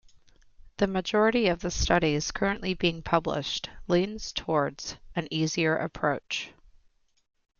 The majority of the studies currently being published leans towards an easier approach.